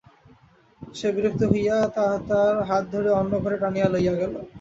সে বিরক্ত হইয়া তাতার হাত ধরিয়া অন্য ঘরে টানিয়া লইয়া গেল।